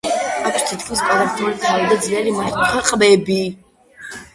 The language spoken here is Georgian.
აქვს თითქმის კვადრატული თავი და ძლიერი მართკუთხა ყბები.